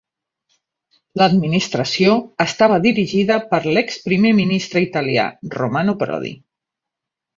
L'administració estava dirigida per l'ex primer ministre italià Romano Prodi.